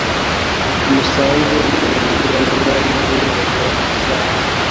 umusanzu ugenwa n inteko rusange